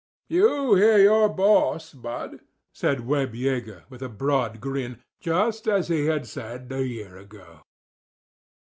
"You hear your boss, Bud," said Webb Yeager, with a broad grin—just as he had said a year ago.